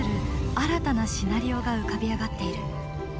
“新たなシナリオ”が浮かび上がっている。